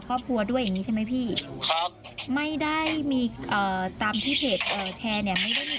ผลโมงโหยินด่าผมเละหมดเลยอะ